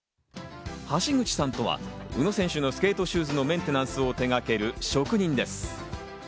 橋口さんとは宇野選手のスケートシューズのメンテナンスを手がける職人です。